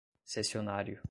cessionário